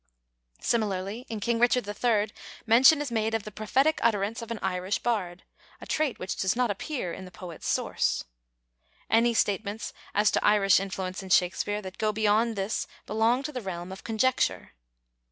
Similarly, in King Richard III, mention is made of the prophetic utterance of an Irish bard, a trait which does not appear in the poet's source. Any statements as to Irish influence in Shakespeare that go beyond this belong to the realm of conjecture.